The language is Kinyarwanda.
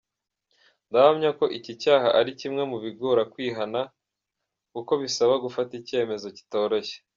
Ndahamya ko iki cyaha ari kimwe mu bigora kwihana kuko bisaba gufata icyemezo kitoroshye.